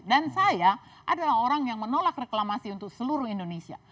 dan saya adalah orang yang menolak reklamasi untuk seluruh indonesia